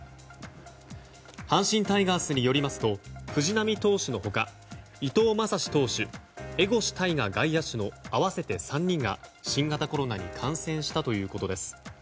阪神タイガースによりますと藤浪投手の他伊藤将司投手、江越大賀外野手の合わせて３人が新型コロナに感染したということです。